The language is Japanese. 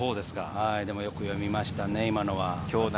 でもよく読みましたね。